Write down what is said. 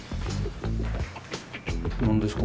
何ですか？